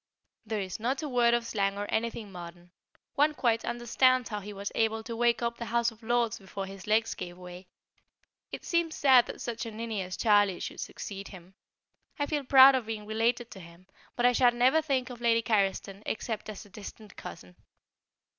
There is not a word of slang or anything modern; one quite understands how he was able to wake up the House of Lords before his legs gave way. It seems sad that such a ninny as Charlie should succeed him. I feel proud of being related to him, but I shall never think of Lady Carriston except as a distant cousin.